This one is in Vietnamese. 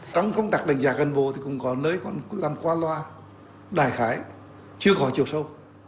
trong công tác đánh giá cán bộ thì cũng có nơi còn làm qua loa đài khái chưa có chiều sâu